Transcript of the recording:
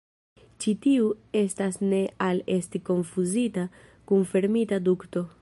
Ĉi tiu estas ne al esti konfuzita kun fermita dukto.